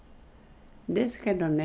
ですけどね